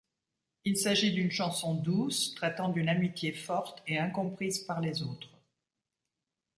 Il s'agit d'une chanson douce traitant d'une amitié forte et incomprise par les autres.